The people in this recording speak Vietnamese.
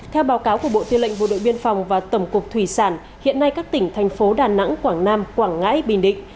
theo báo cáo của bộ tư lệnh bộ đội biên phòng và tổng cục thủy sản hiện nay các tỉnh thành phố đà nẵng quảng nam quảng ngãi bình định